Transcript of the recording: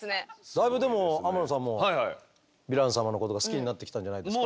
だいぶでも天野さんもヴィラン様のことが好きになってきたんじゃないですか？